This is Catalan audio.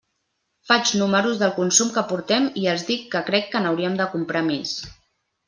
Faig números del consum que portem i els dic que crec que n'hauríem de comprar més.